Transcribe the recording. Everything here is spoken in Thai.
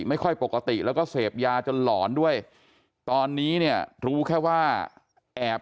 ไม่ค่อยปกติแล้วก็เสพยาจนหลอนด้วยตอนนี้เนี่ยรู้แค่ว่าแอบ